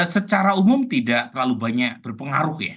secara umum tidak terlalu banyak berpengaruh ya